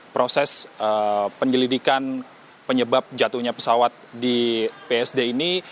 proses penyelidikan penyebab jatuhnya pesawat di psd ini